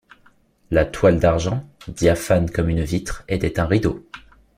La toile d’argent, diaphane comme une vitre, était un rideau.